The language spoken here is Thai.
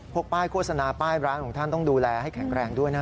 ป้ายโฆษณาป้ายร้านของท่านต้องดูแลให้แข็งแรงด้วยนะ